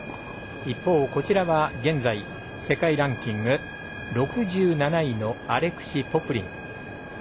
一方、こちらは現在世界ランキング６７位のアレクシ・ポプリン。